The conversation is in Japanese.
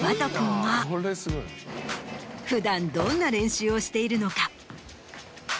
普段どんな練習をしているのか？